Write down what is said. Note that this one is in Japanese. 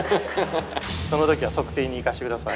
その時は測定に行かせて下さい。